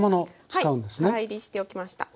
はい深煎りしておきました。